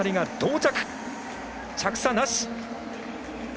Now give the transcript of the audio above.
着差、なし。